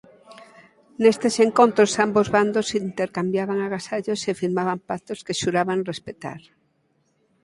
Nestes encontros ambos bandos intercambiaban agasallos e firmaban pactos que xuraban respectar.